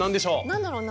何だろうな。